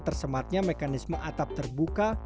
tersematnya mekanisme atap terbuka